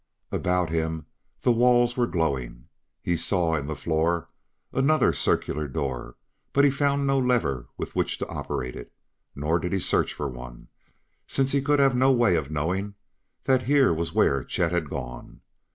About him the walls were glowing. He saw, in the floor, another circular door, but found no lever with which to operate it. Nor did he search for one, since he could have no way of knowing that here was where Chet had gone.